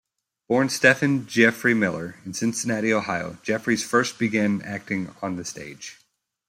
Born Stephen Geoffrey Miller in Cincinnati, Ohio, Geoffreys first began acting on the stage.